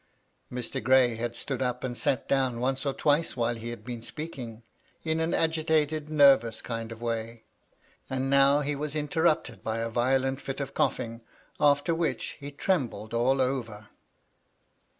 Mr. Gray had stood up and sat down once or twice while he had been speaking, in an agitated, nervous kind of way, and now he was interrupted by a violent fit of coughing, after which he trembled all over.